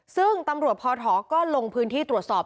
ซึ่งตำรวจพอถอก็ลงพื้นที่ตรวจสอบ